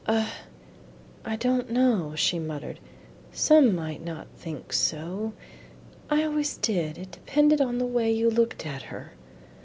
"Ah, I don't know," she muttered; "some might not think so, I always did; it depended upon the way you looked at her."